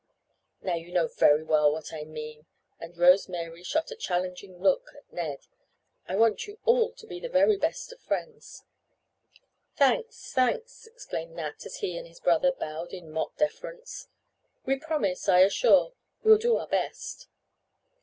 "Now you know very well what I mean!" and Rose Mary shot a challenging look at Ned. "I want you all to be the very best of friends—" "Thanks, thanks!" exclaimed Nat, as he and his brother bowed in mock deference. "We promise, I assure. We'll do our best."